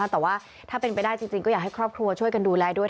แต่ว่าถ้าเป็นไปได้จริงก็อยากให้ครอบครัวช่วยกันดูแลด้วย